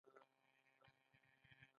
ښوونځی د ټولنیز پرمختګ لپاره بنسټیز دی.